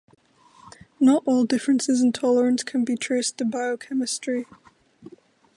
Not all differences in tolerance can be traced to biochemistry.